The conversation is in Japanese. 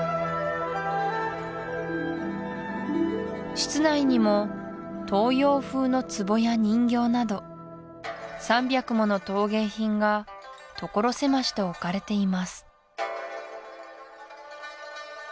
室内にも東洋風の壺や人形など３００もの陶芸品が所狭しと置かれています